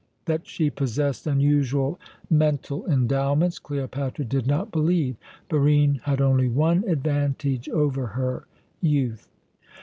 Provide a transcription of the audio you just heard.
That she possessed unusual mental endowments Cleopatra did not believe. Barine had only one advantage over her youth.